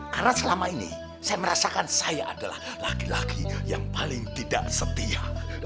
karena selama ini saya merasakan saya adalah laki laki yang paling tidak setia